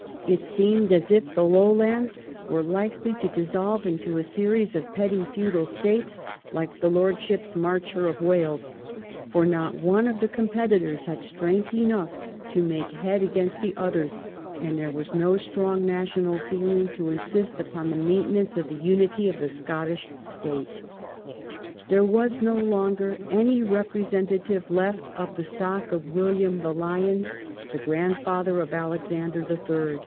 It seemed as if the Lowlands were likely to dissolve into a series of petty feudal states like the Lordships Marcher of Wales, for not one of the com petitors had strength enough to make head against the others, and there was no strong national feeling to insist upon the maintenance of the unity of the Scottish State. There was no longer any representative left of the stock of William the Lion, the grandfather of Alexander in.